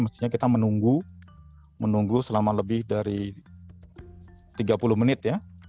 mestinya kita menunggu selama lebih dari tiga puluh menit ya